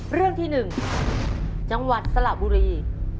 เรื่องที่๑จังหวัดสระบุรี